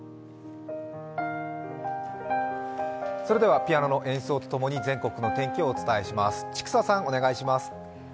それでは、ピアノの演奏とともに全国の天気をお伝えします。